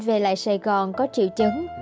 về lại sài gòn có triệu chứng